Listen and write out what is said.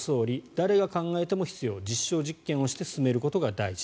誰が考えても必要実証実験をして進めることが大事。